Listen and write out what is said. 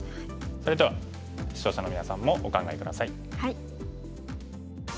それでは視聴者のみなさんもお考え下さい。